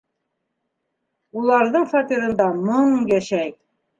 Уларҙың фатирында моң йәшәй.